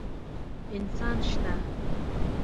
انسان شه!